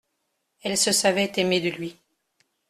Elle se savait aimée de lui.